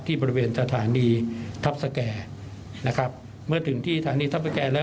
บริเวณสถานีทัพสแก่นะครับเมื่อถึงที่สถานีทัพสแก่แล้ว